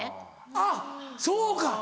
あっそうか。